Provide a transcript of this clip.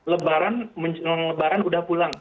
lebaran menjelang lebaran udah pulang